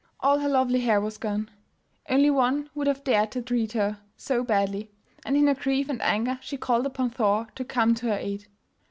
All her lovely hair was gone! Only one would have dared to treat her so badly, and in her grief and anger she called upon Thor to come to her aid.